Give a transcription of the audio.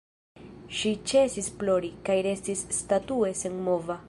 Ŝi ĉesis plori, kaj restis statue senmova.